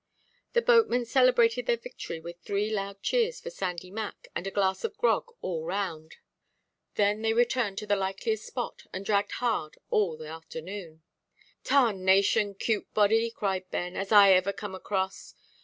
The boatmen celebrated their victory with three loud cheers for Sandy Mac, and a glass of grog all round. Then they returned to the likeliest spot, and dragged hard all the afternoon. "Tarnation 'cute body," cried Ben, "as ever I come across.